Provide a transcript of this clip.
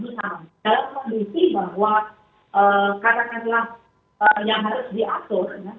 misalnya dalam kondisi bahwa katakanlah yang harus diatur